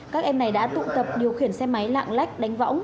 các em này đã tụ tập điều khiển xe máy lạng lách đánh võng